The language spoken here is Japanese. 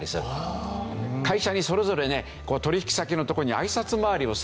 会社にそれぞれね取引先の所に挨拶回りをする。